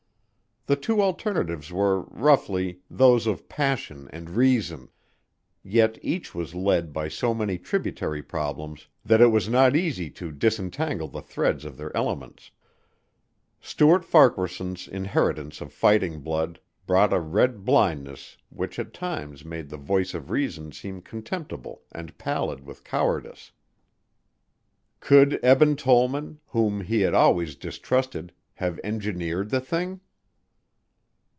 The two alternatives were, roughly, those of passion and reason, yet each was led by so many tributary problems that it was not easy to disentangle the threads of their elements. Stuart Farquaharson's inheritance of fighting blood brought a red blindness which at times made the voice of reason seem contemptible and pallid with cowardice. Could Eben Tollman, whom he had always distrusted, have engineered the thing?